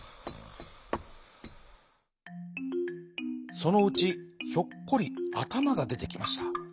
そのうちヒョッコリあたまがでてきました。